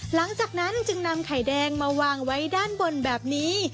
หลังจากนั้นจึงนำไข่แดงมาวางไว้ด้านบนแบบนี้